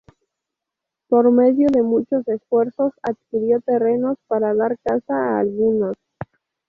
Por medio de muchos esfuerzos, adquirió terrenos para dar casa a algunos.